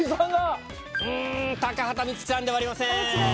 高畑充希さんではありません。